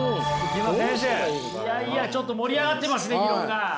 いやいや、ちょっと盛り上がってますね議論が！